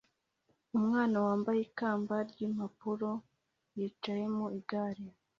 Umwana wambaye ikamba ry'impapuro yicaye mu igare